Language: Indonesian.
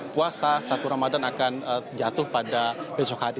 puasa satu ramadan akan jatuh pada besok hari